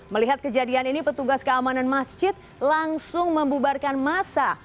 melihat kejadian ini petugas keamanan masjid langsung membubarkan masa